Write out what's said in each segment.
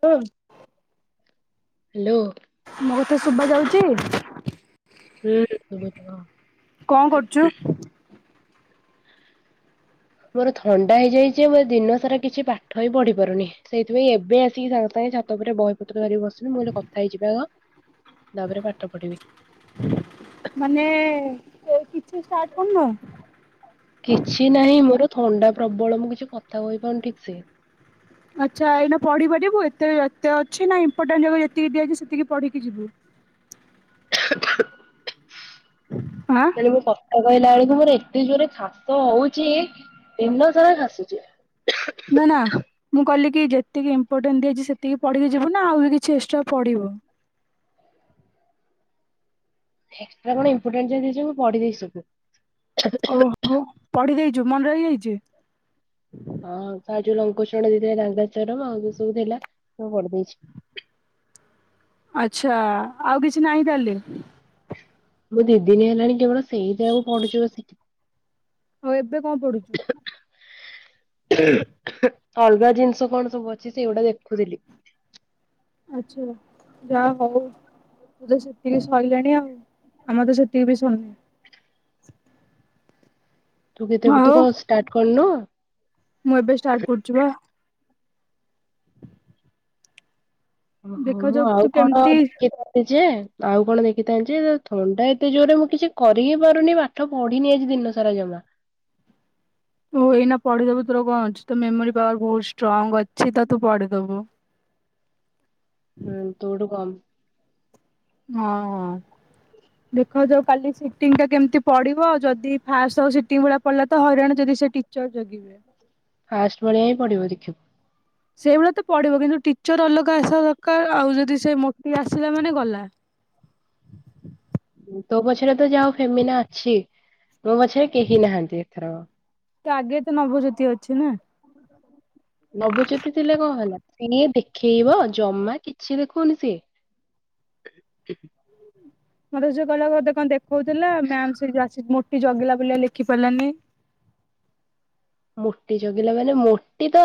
[unintelligible] Hello. ମୋ କଥା ଶୁବା ଯାଉଚି ହୁଁ କଣ କରୁଛୁ? [unintelligible] ମୋର ଥଣ୍ଡା ହେଇଯାଇଛି ମୋ ଦିନ ସାରା କିଛି ପାଠ ବି ପଢି ପାରୁନି ସେଇଥିପାଇଁ ଏବେ ଆସିକି ତମ ସାଙ୍ଗେ ପରେ ବହିପୁତ୍ର ଧରିକି ବସିବି ମୁଁ ଗୋଟେ କଥା ହେଇଯିବ ଆ ତାପରେ ପାଠ ପଢିବି ମାନେ ତୁ ଆଉ କିଛି ଷ୍ଟାର୍ଟ କରିନୁ। କିଛି ନାହିଁ ମୋର ଥଣ୍ଡା ପ୍ରବଳ ମୁଁ କିଛି କଥା କହିପାରୁନି ଠିକ୍ ସେ ଆଚ୍ଛା ଏଇନା ପଢି ପାରିବୁ ଏତେ ଏତେ ଅଛି ନା ଇମ୍ପୋର୍ଟାଣ୍ଟ ଯା ଯେତିକି ଦିଆଯାଇଛି ସେତିକି ପଢିକି ଯିବୁ। ଆଁ ତେଣୁ ମୁଁ ସ କଥା କହିଲା ବେଳକୁ ମୋର ଏତେ ଜୋରେ ଖାସ ହଉଛି ଦିନ ସାରା ଖାସୁଚି। ନା ନା। ମୁଁ କହିଲି କି ଯେତିକି ଇମ୍ପୋଟାଣ୍ଟ ଦିଆଛି ସେତିକି ପଢିକି ଯିବୁ ନା ଆଉ ବି କିଛି ଏକ୍ସଟ୍ରା ପଢିବୁ। ଏକ୍ସଟ୍ରା କଣ ଇମ୍ପୋଟାଣ୍ଟ ଦେଇଛି ମୁ ପଢି ଦେଇଛି ସବୁ। ଓହୋ ପଢି ଦେଇଛୁ ମନେ ରହିଯାଇଛି। ହଁ ତା ଯୋଉ ଲଙ୍କକୋଶ୍ଚିନ ଦେଇଥିଲା ଡାଙ୍ଗା ଚରମ ଆଉ ଯୋଉ ସବୁ ଥିଲା। ମୁଁ ପଢି ଦେଇଛି। ଆଛା ଆଉ କିଛି ନାହିଁ ତାହେଲେ। ମୁଁ ଦିଦିନୀ ହେଲାଣି କେବଳ ସେଇଟାଆକୁ ପଢୁ ଛି ବସିକି? ହଉ ଏବେ କଣ ପଢୁ ଚୁ? ଅଲଗା ଜିନିଷ କଣ ସବୁ ଅଛି ସେଗୁଡା ଦେଖୁଥିଲି। ଆଛା ଯା ହଉ ସେତିକି ସଇଲାଣି ଆଉ ଆମର ତ ସେତିକି ବି ସରିନି। ତୁ କେ ତୁ ଆଉ କଣ ଷ୍ଟାର୍ଟ କରିନୁ। ମୁଁ ଏବେ ଷ୍ଟାଟ କରୁଛି ବା ଓହୋ ମୁଁ ଦେଖାଯାଉ ଆଉ ତୁ କଣ କେମିତି କେ ଯେ ଆଉ କଣ ଦେଖିଥାନ୍ତି ଯେ ଥଣ୍ଡା ଏତେ ଜୋର୍ ରେ ମୁଁ କିଛି କରି ହିଁ ପାରୁନି ବା ପାଠ ପଢିନି ଆଜି ଦିନ ସାରା ଜମା। ଓ ଏଇନା ପଢିଦବୁ ତୋର କଣ ଅଛି ତ ମେମୋରି ପାୱାର୍ ବହୁତ୍ ଷ୍ଟ୍ରଙ୍ଗ୍ ଅଛି ତ ତୁ ପଢିଦବୁ। ହୁଁ ତୋ ଠୁ କମ୍। ହଁ। ଦେଖ ଯଉ କାଲି ସିଟିଙ୍ଗ୍ ଟା କେମିତି ପଡିବ ଯଦି ଫାଷ୍ଟ୍ ସ- ସିଟିଙ୍ଗ୍ ଭଳିଆ ପଡିଲା ତ ହଇରାଣ ଯଦି ସେଟି ଚ -ଜଗିବେ। ଫାଷ୍ଟ୍ ଭଳିଆ ହିଁ ପଡିବ ଦେଖିବୁ। ସେଇଭଳିଆ ତ ପଡ଼ିବ କିନ୍ତୁ ଟିଚର୍ ଅଲଗା ଆସିବା ଦରକାର୍ ଆଉ ଯଦି ସେ ମୋଟି ଆସିଲା ମାନେ ଗଲା। ତୋ ପଛରେ ତ ଯାହଉ ଫେମିନା ଅଛି ମୋ ପଛରେ କେହି ନାହାନ୍ତି ଏଥରକ। ତ ଆଗେରେ ତ ନବଜ୍ୟୋତି ଅଛି ନା। ନବଜ୍ୟୋତି ଥିଲେ କଣ ହେଲା ସିଏ ଦେଖେଇବ ଜମା କିଛି ଦେଖଉନି ସିଏ। ମତେ ସେ କହିଲା ବୋଧେ କଣ ଦେଖଉଥିଲା ମ୍ୟାମ୍ ସେ ଯଉ ଆସି ମୋଟି ଜଗିଲା ବୋଲି ଲେଖି ପାରିଲାନି। ମୋଟି ଜଗିଲା ମାନେ ମୋଟି ତ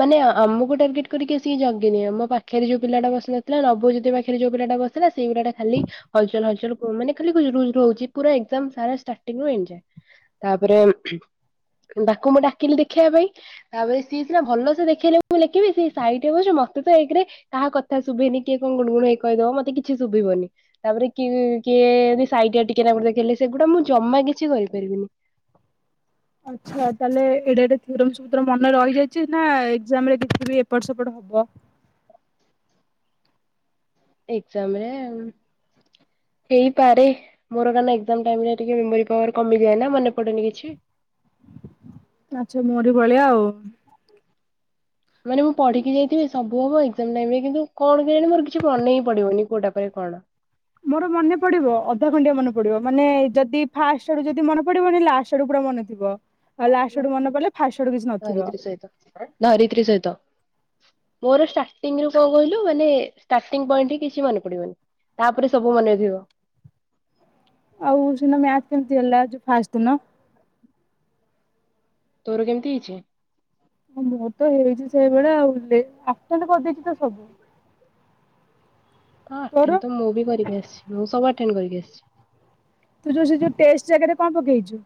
ମାନେ ଆ-ଆମକୁ ଟାର୍ଗେଟ୍ କରିକି ଆସିକି ଜଗିଦିଏ ମ ପାଖେରେ ଯଉ ପିଲାଟା ବସିନଥିଲା ନବଜୋତି ପାଖେରେ ଯଉ ପିଲାଟା ବସ୍ ସେଟା ସିଙ୍ଗ୍ଡା ଖାଲି ହଲ୍ ଚଲ୍ -ହଲ୍ ଚଲ୍ କୁ-ମାନେ ଖାଲି ଗୁଲ୍ ଗୁଲ୍ ହଉଚି ପୁରା ଏକ୍ଜାମ୍ ସାରା ଷ୍ଟାଟିଙ୍ଗ୍ ରୁ ଏଣ୍ଡ୍ ଯାଏ। ତାପରେ ତାକୁ ମୁଁ ଡାକିଲି ଦେଖେଇବା ପାଇଁ ତାପରେ ସିଏ ସିନା ଭଲ ସେ ଦେଖେଇଲେ ମୁଁ ଲେଖିବି ସେ ସାଇଟିରେ ବସିଚି ମତେ ତ ଏକେ ରେ କାହା କଥା ଶୁଭେନି କିଏ କଣ ଗୁଣୁ ଗୁଣୁ ହେଇ କହିଦବ ମତେ କିଛି ଶୁଭିବନି। ତାପରେ କି- କିଏ ଯଦି ସାଇଟିଆ ଟିକେ ନାଖୁ ଦେଖେଇଲେ ସେଗୁଡା ମୁଁ ଜମା କିଛି କରିପାରିବିନି। ଆଚ୍ଛା ତାହେଲେ ଏଡେ ଏଡେ ଥିରମ୍ ସୂତ୍ର ମନେ ରହିଯାଇଚି ନା ଏକ୍ଜାମ୍ ରେ କିଛିବି ଏ ଏପଟ୍ ସେପଟ୍ ହବ। ଏକ୍ଜାମ୍ ରେ ହେଇପାରେ। ମୋର କାରଣ ଏକ୍ଜାମ୍ ଟାଇମ୍ ରେ ଟିକେ ମେମୋରି ପାୱାର୍ କମିଯାଏ ନା ମନେ ପଡନି କିଛି। ଆଚ୍ଛା ମୋରି ଭଳିଆ ଆଉ। ମାନେ ମୁଁ ପଢିକି ଯାଇଥିବି ସବୁ ହବ ଏକ୍ଜାମ୍ ଟାଇମ୍ ରେ କିନ୍ତୁ କଣ କେଜାଣି ମୋର କିଛି ମନେ ହିଁ ପଡିବନି କଉଟା ପରେ କଣ। ମୋର ମନେ ପଡିବ ଅଧାଖଣ୍ଡିଆ ମନେ ପଡିବ ମାନେ ଯଦି ଫାଷ୍ଟେ ଆଡୁ ଯଦି ମନେ ପଡିବନି ଲାଷ୍ଟ ଆଡୁ ପୁରା ମନେ ଥିବ ଆଉ ଲାଷ୍ଟ୍ ଆଡୁ ମନେ ପଡିଲେ ଫାଷ୍ଟ୍ ଆଡୁ କିଛି ନଥିବ। [inaudible] ଧରିତ୍ରୀ ସହିତ। ମୋର ଷ୍ଟାଟିଙ୍ଗ୍ ରୁ କଣ କହିଲୁ ମାନେ ଷ୍ଟାଟିଙ୍ଗ୍ ପଏଣ୍ଟ୍ ହିଁ କିଛି ମନେ ପଡିବନି। ତାପରେ ସବୁ ମନେ ଥିବ। ଆଉ ସେଦିନ ମ୍ୟାଥ୍ କେମିତି ହେଲା ଯଉ ଫାଷ୍ଟ୍ ଦିନ? ତୋର କେମିତି ହେଇଚି? ମୋର ତ ହେଇଚି ସେଇଭଳିଆ ଆଉ ଆଟେଣ୍ଡ୍ କରିଦେଇଚି ତ ସବୁ। ହଁ ତୋର ଆଟେଣ୍ଡ୍ ତ ମୁଁ ବି କରିକି ଆସିଚି ମୁଁ ସବୁ ଆଟେଣ୍ଡ୍ କରିକି ଆସିଚି। ତୁ ଯଉ ସେ ଯଉ ଟେଷ୍ଟ୍ ଜାଗାରେ କଣ୍ ପକେଇଚୁ?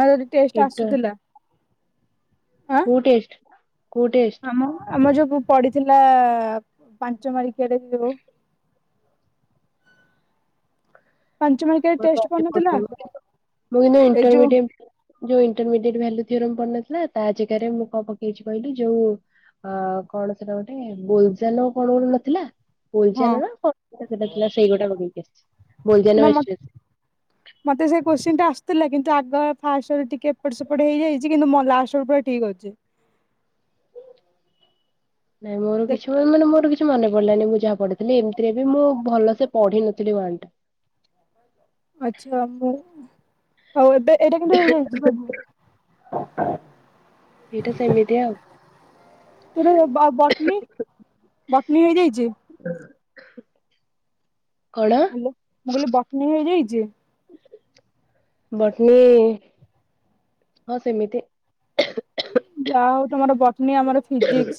ନା ତତେ ଟେଷ୍ଟ୍ ଇଣ୍ଟର ଆସୁଥିଲା? -ଆଁ। କଉ ଟେଷ୍ଟ୍ -କଉ ଟେଷ୍ଟ? ଆମ- ଆମ ଯଉ ପଡିଥିଲା ପାଞ୍ଚ ମାର୍କିଆ ଟା ଯଉ। ପାଞ୍ଚ ମାର୍କ ମୁଁ ଏଇନେ ଏଇ ଯୋଉ ଇଣ୍ଟରମିଡିଏ ଯଉ ଇଣ୍ଟରମିଡିଏଟ ଭ୍ୟାଲୁ ଥିଅରମ୍ ପଡିନଥିଲା ତା ଜାଗାରେ ମୁଁ କଣ ପକେଇଚି କହିଲୁ ଯଉ ଅ- କଣ ସେଟା ଗୋଟେ ବୋଲ୍ ଜାନୋ କଣ ଗୋଟେ ନଥିଲା? ହଁ ନା ମ [unintelligible] [inaudible] ମତେ ସେଇ କୋଶ୍ଚିନ୍ ଟା ଆସୁଥିଲା କିନ୍ତୁ ଆଗ ଫାଷ୍ଟ୍ ଆଡୁ ଟିକେ ଏପଟ୍ ସେପଟ୍ ହେଇଯାଇଚି କିନ୍ତୁ ମ ଲାଷ୍ଟ ଆଡୁ ପୁରା ଠିକ୍ ଅଛି। ନାଇଁ ମୋର ଦେଖ କିଛି- ମାନେ ମୋର କିଛି ମନେ ପଡିଲାନି ମୁଁ ଯାହା ପଢିଥିଲି। ହେଲେ ଏମିତିରେ ବି ମୁଁ ଭଲ ସେ ପଢି ନଥିଲି ୱାନ୍ ଟା। ଆଚ୍ଛା ମୁଁ ଆଉ ଏବେ ଏଇଟା କିନ୍ତୁ ହେଇଯାଇଚି ସବୁ। [inaudible] ଏଇଟା ସେମିତିଆଉ। ତୋର ବ ବଟନୀ, ବଟନୀ ହେଇଯାଇଛି। କଣ? ହ୍ୟାଲୋ ମୁଁ କହିଲି ବଟନି ହେଇଯାଇଛି? ବଟନୀ ହଁ ସେମିତି। ଯାହା ହଉ ତମର ବଟନି ଆମର ଫିଜିକ୍ସ।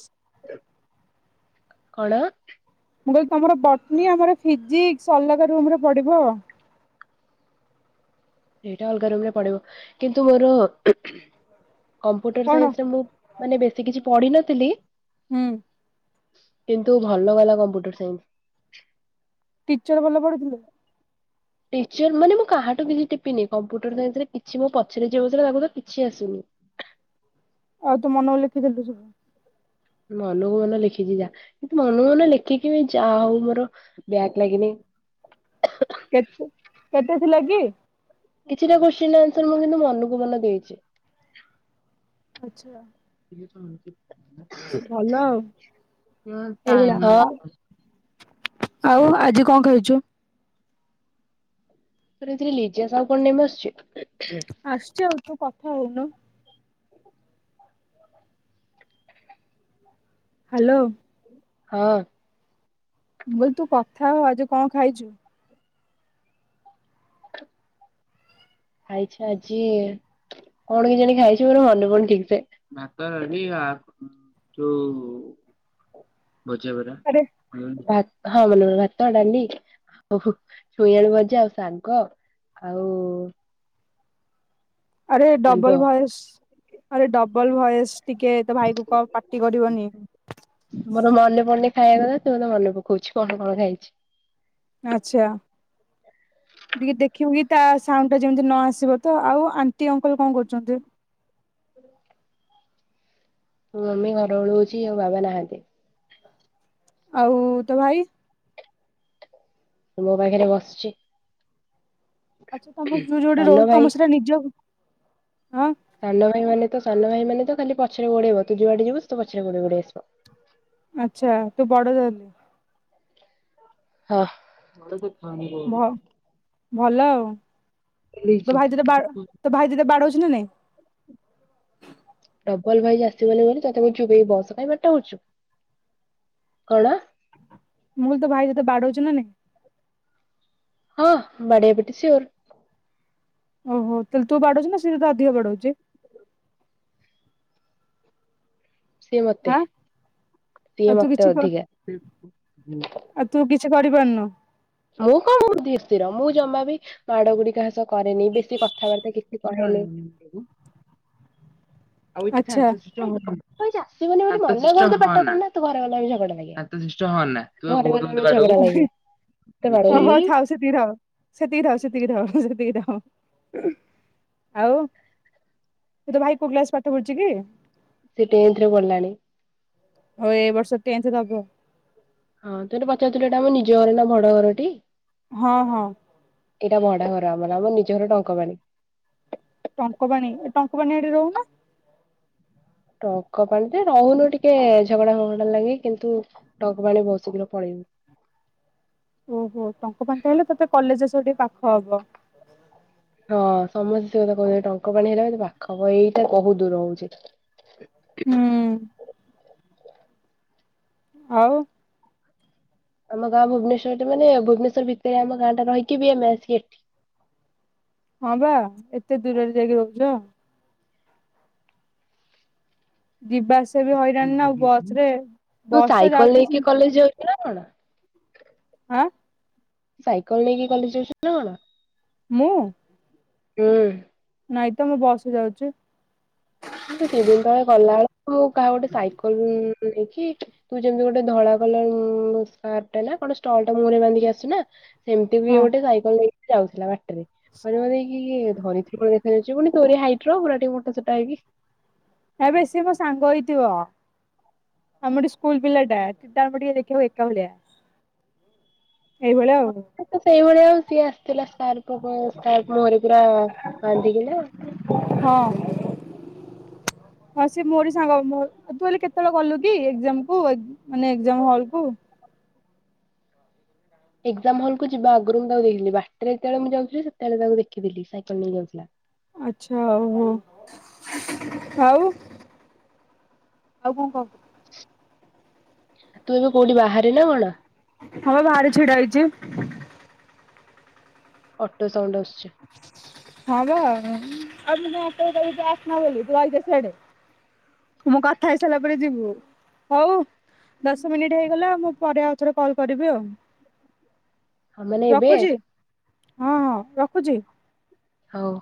କଣ? ମୁଁ କହିଲି ତମର ବଟନୀ ଆମର ଫିଜିକ୍ସ୍ ଅଲଗା ରୁମରେ ପଡିବ। ସେଇଟା ଅଲଗା ରୁମ୍ ରେ ପଡିବ କିନ୍ତୁ ମୋର କମ୍ପୁଟର କଣ? ସାଇନ୍ସରେ ମୁଁ ମାନେ ବେଶୀ କିଛି ପଢିନଥିଲି ହୁଁ କିନ୍ତୁ ଭଲ ଗଲା କମ୍ପ୍ୟୁଟର ସାଇନ୍ସ୍। ଟିଚର୍ ଭଲ ପଢେଇଥିଲେ। ଟିଚର୍ ମାନେ ମୁଁ କାହାଠୁ କିଛି ଟିପିନି କମ୍ପ୍ୟୁଟର ସାଇନ୍ସ ରେ କିଛି ମୋ ପଛରେ ବସିଥିଲା ତାକୁ ତ କିଛି ଆସୁନି। ଆଉ ତୁ ମନକୁ ଲେଖିଦେଲୁ ସବୁ। ମନ କୁ ମନ ଲେଖିଛି ଯା କିନ୍ତୁ ମନ କ ମନ ଲେଖିକି ବି ଯାହା ହଉ ମୋର ବ୍ୟାକ୍ ଲାଗିନି। କେତେ କେତେ ଥିଲା କି? କିଛିଟା କୋଶ୍ଚିନ୍ ଆନ୍ସର୍ ମୁଁ କିନ୍ତୁ ମନକୁ ମନ ଦେଇଛି। ଆଚ୍ଛା। [unintelligible] ଭଲ ଆଉ ହଁ ଏଇଭଳିଆ ତ। ଆଉ ଆଜି କଣ ଖାଇଛୁ? ତୋର ଏଥିରେ ଲିଜା ସାହୁ କଣ ନେମ୍ ଆସୁଛି? ଆସୁଛି ଆଉ ତୁ କଥା ହଉନୁ। ହ୍ୟାଲୋ ହଁ। ମୁଁ କହିଲି ତୁ କଥା ହ ଆଜି କଣ ଖାଇଛୁ? ଖାଇଛି ଆଜି କଣ କେଜାଣି ଖାଇଛି ମୋର ମନେ ପଡ଼ୁନି ଠିକ ସେ ଭାତ, ଡାଲି [unintelligible] ଯୋଉ ଭଜା ପରା। ଆରେ। ହଁ ମନେ ପଡ଼ିଲା ଭାତ, ଡାଲି ଓଃ ହୋ ଛୁଇଁ ଆଳୁ ଭଜା ଆଉ ଶାଗ ଆଉ ଆରେ ଆମ୍ବ। ଡବଲ ଭଏସ ଆରେ ଡବଲ ଭଏସ ଟିକେ ତ ଭାଇକୁ କହ ପାଟି କରିବନି। ମୋର ମନେ ପଡୁନି ଖାଇବା କଥା ସେ ମତେ ମନେ ପକଉଛି କଣ କଣ ଖାଇଛି। ଆଚ୍ଛା। ଟିକେ ଦେଖିବୁ କି ତା ସାଉଣ୍ଡ ଟା ଯେମିତି ନ ଆସିବ ତ ଆଉ ଆଣ୍ଟି, ଅଙ୍କଲ କଣ କରୁଛନ୍ତି। ମମି ଘର ଓଳୋଉଚି ଆଉ ବାବା ନାହାନ୍ତି। ଆଉ ତୋ ଭାଇ? ମୋ ପାଖରେ ବସିଛି। ଆଚ୍ଛା ତମ ଯୋଉ ଯୋଉଠି ସାନ ରହୁଛୁ ଭାଇ ତମ ସେଟା ନିଜ ହଁ। ସାନ ଭାଇ ମାନେ ତ ସାନ ଭାଇ ମାନେ ତ ଖାଲି ପଛରେ ଗୋଡେଇବ ତୁ ଯୁଆଡେ ଯିବୁ ସିଏ ତୋ ପଛରେ ଗୋଡେଇ ଗୋଡେଇ ଆସିବ। ଆଚ୍ଛା ତୁ ବଡ ତାହେଲେ। ହଁ। ଭ ଭଲ ଆଉ। ତୋ ଭାଇ ତୋତେ ବା ତୋ ଭାଇ ତତେ ବାଡୋଉଛି ନା ନାଇଁ। ଡବଲ ଭାଇ ଆସିଗଲେ ବୋଲି ତତେ କୋହୁଚି ଚୁପ ହେଇକି ବସ କାଇଁ ପାଟି ଟା କରୁଛୁ। କଣ? ମୁଁ କହିଲି ତୋ ଭାଇ ତତେ ବାଡୋଉଚି ନା ନାହିଁ। ହଁ ବାଡ଼ିଆ ପିଟା ଶିଓର। ଓଃ ହୋ ତାହେଲେ ତୁ ବାଡୋଉଛୁ ନା ସିଏ ତତେ ଅଧିକ ବାଡୋଉଚି। ସିଏ ମତେ ଆଁ ସିଏ ଆଉ ତୁ ମତେ କିଛି କ ଅଧିକା। ଆଉ ତୁ କିଛି କରିପାରୁନୁ? ମୁଁ କଣ ବୋହୁତ ଧୀର ସ୍ତିର ମୁଁ ଜମା ବିି ମାଡ ଗୁଡି କାହା ସହ କରେନି ବେଶୀ କଥାବାର୍ତ୍ତା କିଛି କରେନି। ଆଉ ଏତେ ଆଚ୍ଛା ଶାନ୍ତ ଶିଷ୍ଟ। [unintelligible] [unintelligible] ଓଃ ହୋ ଥାଉ। ସେତିକି ଥାଉ ସେତିକି ଥାଉ ସେତିକି ଥାଉ ସେତିକି ଥାଉ ଆଉ। ତୋ ଭାଇ କୋଉ କ୍ଲାସ ପାଠ ପଢୁଛି କି? ସେ ଟେନ୍ଥ ରେ ପଢିଲାଣି। ହଉ ଏ ବର୍ଷ ଟେନ୍ଥ ଦବ। ହଁ ତୁ ଏଇନା ପଚାରୁଥିଲୁ ଏଇଟା ଆମ ନିଜ ଘର ନା ଭଢ଼ା ଘରଟି? ହଁ ହଁ। ଏଇଟା ଭଡା ଘର ଆମର ଆମର ନିଜ ଘର ଟଙ୍କ ପାଣି। ଟଙ୍କ ପାଣି ଟଙ୍କ ପାଣି ଆଡେ ରହୁନା? ଟଙ୍କ ପାଣି ତ ରହୁନୁ ଟିକେ ଝଗଡା ଫଗଡା ଲାଗି କିନ୍ତୁ ଟଙ୍କ ପାଣି ବୋହୁତ ସିଘ୍ର ପଳେଇବୁ। ଓଃ ହୋ ଟଙ୍କ ପାଣି ଟା ହେଲେ ତତେ କଲେଜ ସେଠିକି ଟିକେ ପାଖ ହବ। ହଁ ସମସ୍ତେ ସେ କଥା କହୁଥିଲେ ଟଙ୍କ ପାଣି ହେଲେ ମତେ ପାଖ ହବ ଏଇଟା ବହୁତ ଦୂର ହଉଚି। ହୁଁ ହୁଁ। ଆଉ। ଆମ ଗାଁ ଭୁବନେଶ୍ୱରରେ ମାନେ ଭୁବନେଶ୍ୱର ଭିତରେ ଆମ ଗାଁ ଟା ରହିିକି ବି ଆମେ ଆସିକି ଏଠି। ହଁ ବା ଏତେ ଦୂରରେ ଯାଇକି ରହୁଚ। ଯିବାଆସିବା ବି ହଇରାଣ ନା ଆଉ ବସରେ ବସ୍ ଟା ଯାଉଚି ସେ ଚି ନା କଣ? ହାଁ। ସାଇକେଲ ନେଇକି କଲେଜ ଯାଉଚ ନା କଣ? ମୁଁ? ହୁଁ। ନାଇଁ ତ ମୁଁ ବସ୍ ରେ ଯାଉଚି। ମୁଁ ତିନି ଦିଇନ ତଳେ ଗଲା ବେଳକୁ କାହା ଗୋଟେ ସାଇକଲ ନେଇକି ତୁ ଯେମିତି ଗୋଟେ ଧଳା କଲର ସାଟେ ନା କଣ ଷ୍ଟଲ ଟେ ମୁହଁରେ ବାନ୍ଧିକି ଆସୁନା? ସେମିତି ବି ହଁ ଗୋଟେ ସାଇକେଲ ନେଇକି ଯାଉଥିଲା ବାଟରେ [unintelligible] ଦେଇକି କିଏ ଧରିଛି ଦେଖାଯାଉଛି ପୁଣି ତୋରି ହାଇଟ୍ ର ପୁରା ଟେ ମୋଟାସୁଟା ହେଇକି। ଆବେ ସିଏ ମୋ ସାଙ୍ଗ ହେଇଥିବ। ଆମରି ସ୍କୁଲ ପିଲାଟା ଦିଇ ଟା ଯାକ ଦେଖିବାକୁ ଏକା ଭଳିଆ। ଏଇଭଳିଆ ଆଉ। ସିଏତ ସେଇଭଳିଆ ଆଉ ସିଏ ଆସିଥିଲା ସ୍କାରଙ୍କ ମୁହଁରେ ପୁରା ବାନ୍ଧିକିନା। ହଁ। ହଁ ସେ ମୋରି ସାଙ୍ଗ ତୁ କାଲି କେତେବେଳେ ଗଲୁ କି ଏକ୍ଜାମ କୁ ମାନେ ଏକ୍ଜାମ ହଲ କୁ? ଏକ୍ଜାମ ହଲକୁୁ ଯିବା ଆଗରୁ ମୁଁ ତାକୁ ଦେଖଥିଲି ବାଟରେ ଯେତେବେଳେ ମୁଁ ଯାଉଥିଲି ସେତେବେଳେ ତାକୁ ଦେଖିଥିଲି ସାଇକେଲ ନେଇ ଯାଉଥିଲା। ଆଛା ଓହୋ ଆଉ? ଆଉ କଣ କହ? ତୁ ଏବେ କୋଉଠି ବାହାରେ ନା କଣ? ହଁ ପା ବାହାରେ ଛିଡ଼ା ହେଇଛି। ଅଟୋ ସାଉଣ୍ଡ ଆସୁଛି। ହଁ ବା ଆରେ ମୁଁ କଣ ଅଟୋ କୁ କହିବି ତୁ ଆସେନା ବୋଲି ତୁ ରହିଯା ସିଆଡେ। ମୁଁ କଥା ହେଇସାରିଲା ପରେ ଯିବୁ ହଉ। ଦଶ ମିନିଟ ହେଇଗଲା ମୁଁ ପରେ ଆଉ ଥରେ କଲ କରିବି ଆଉ। ହଁ ମାନେ ଏବେ ରଖୁଛି ହଁ ହଁ ରଖୁଛି। ହଉ।